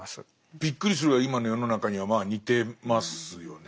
びっくりするぐらい今の世の中にはまあ似てますよね。